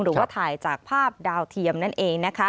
หรือว่าถ่ายจากภาพดาวเทียมนั่นเองนะคะ